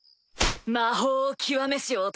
魔法を極めし男。